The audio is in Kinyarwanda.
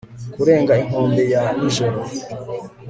Kurenga inkombe ya nijoro